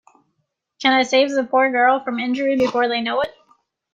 Can I save the poor girl from injury before they know it?